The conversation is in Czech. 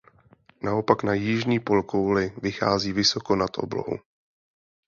Naopak na jižní polokouli vychází vysoko na oblohu.